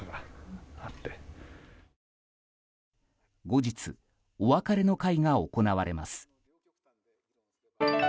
後日、お別れの会が行われます。